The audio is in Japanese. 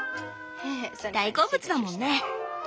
大好物だもんね。